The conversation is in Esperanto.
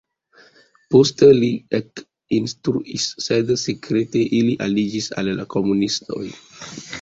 Poste li ekinstruis, sed sekrete li aliĝis al komunistoj.